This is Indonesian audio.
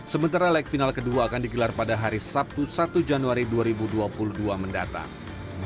sementara leg final kedua akan digelar pada hari sabtu satu januari dua ribu dua puluh dua mendatang